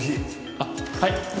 あっはい！